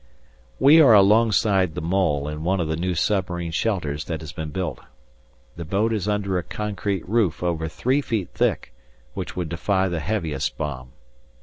We are alongside the mole in one of the new submarine shelters that has been built. The boat is under a concrete roof over three feet thick, which would defy the heaviest bomb.